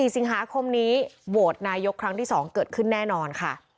๔สิงหาคมนี้โหวตนายกครั้งที่๒เกิดขึ้นแน่นอนค่ะ